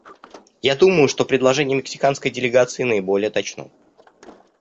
Я думаю, что предложение мексиканской делегации наиболее точно.